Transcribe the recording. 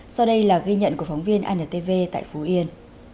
sau đây là ghi nhận của phóng viên antv tại phú yên